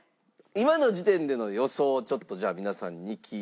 今の時点での予想をちょっとじゃあ皆さんに聞いていきたいと思います。